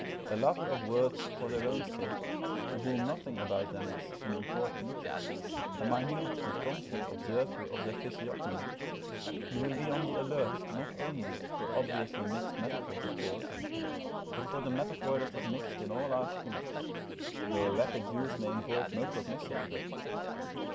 A lover of words for their own sake, to whom nothing about them is unimportant, a minute and constant observer of their physiognomy, he will be on the alert not only for obviously mixed metaphors of course, but for the metaphor that is mixed in all our speech, though a rapid use may involve no cognition of it.